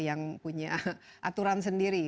yang punya aturan sendiri